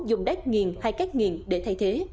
dùng đá nghiền hay cát nghiền để thay thế